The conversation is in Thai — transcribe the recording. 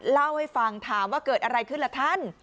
เล่าให้ฟังถามว่าเกิดอะไรขึ้นล่ะท่าน